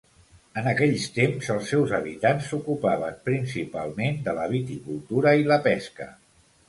En aquells temps, els seus habitants s'ocupaven principalment de la viticultura i la pesca.